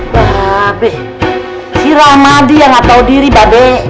bah sih ramadi yang nggak tahu diri babe